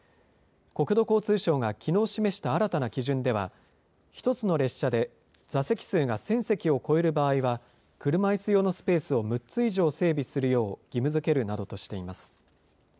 国土交通省がきのう示した新たな基準では、１つの列車で座席数が１０００席を超える場合は、車いす用のスペースを６つ以上整備するよう義務づけるなどとしています。